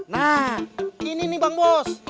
nah ini nih bang bos